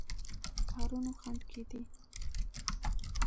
کارونو خنډ کېدی.